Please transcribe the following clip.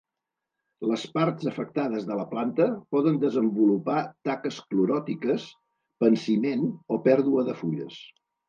Les parts afectades de la planta poden desenvolupar taques cloròtiques, pansiment o pèrdua de fulles.